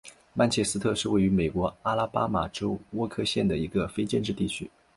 曼彻斯特是位于美国阿拉巴马州沃克县的一个非建制地区。